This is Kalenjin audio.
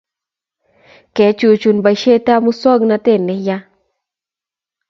Kechuchuch boishet ab musongnotet ne ya